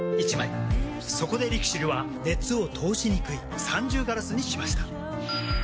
そこでＬＩＸＩＬは熱を通しにくい三重ガラスにしました。